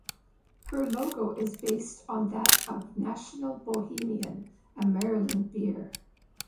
Her logo is based on that of National Bohemian, a Maryland beer.